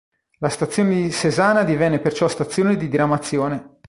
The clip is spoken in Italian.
La stazione di Sesana divenne perciò stazione di diramazione.